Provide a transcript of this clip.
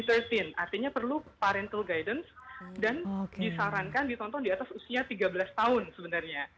artinya perlu parentil guidance dan disarankan ditonton di atas usia tiga belas tahun sebenarnya